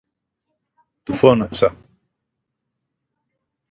του φώναξα.